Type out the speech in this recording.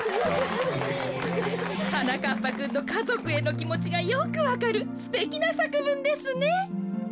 はなかっぱくんのかぞくへのきもちがよくわかるすてきなさくぶんですね。